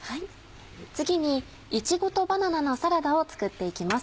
次にいちごとバナナのサラダを作って行きます。